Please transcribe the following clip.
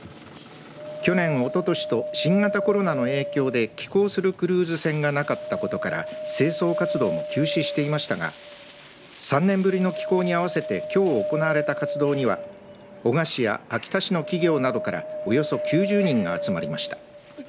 去年おととしと新型コロナ上の影響で寄港するクルーズ船がなかったことから清掃活動を中止していましたが３年ぶりの寄港に合わせてきょう行われた活動には男鹿市や秋田市の企業などからおよそ９０人が集まりました。